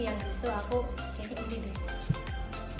yang justru aku kayaknya begini deh